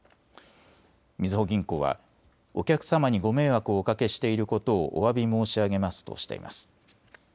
みずほ銀行はお客様にご迷惑をおかけしていることをおわび申し上げますとしています。